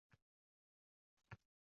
Unaqa dema, bolam,- dedi ammam xo’rsinib.